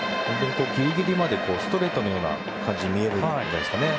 ギリギリまでストレートの感じに見えるんじゃないですかね。